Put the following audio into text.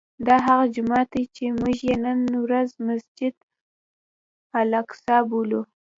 دا هغه جومات دی چې موږ یې نن ورځ مسجد الاقصی بولو.